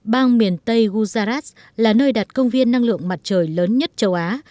bang miền tây guzarat là nơi đặt công viên năng lượng mặt trời lớn nhất châu á